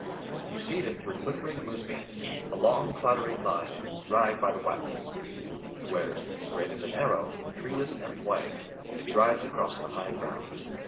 You see them through flickering moonbeams, a long clattering line, ride by the Watling Street, where, straight as an arrow, treeless and white, it drives across the high ground.